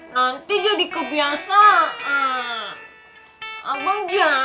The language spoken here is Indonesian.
nanti jadi kebiasaan